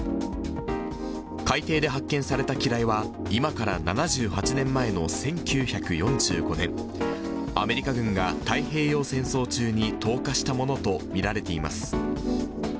海底で発見された機雷は、今から７８年前の１９４５年、アメリカ軍が太平洋戦争中に投下したものと見られています。